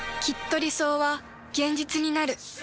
きっと理想は現実になる。